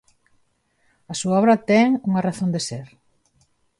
A súa obra ten unha razón de ser.